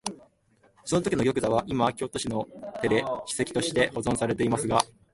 そのときの玉座は、いま京都市の手で史跡として保存されていますが、